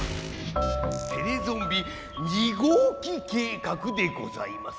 テレゾンビ２ごうき計画でございます。